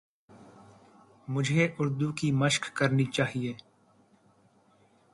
مجھے اردو کی مَشق کرنی چاہیے